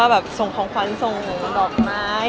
ว่าส่งของควันส่งดอกไม้